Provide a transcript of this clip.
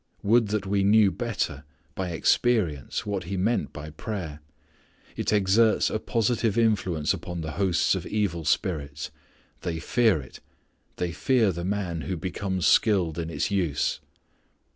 Would that we knew better by experience what He meant by prayer. It exerts a positive influence upon the hosts of evil spirits. They fear it. They fear the man who becomes skilled in its use.